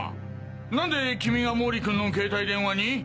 何で君が毛利君の携帯電話に？